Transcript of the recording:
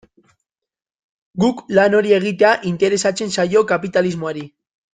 Guk lan hori egitea interesatzen zaio kapitalismoari.